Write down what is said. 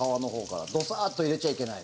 ドサッと入れちゃいけない。